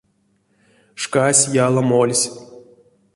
Шкась яла мольсь.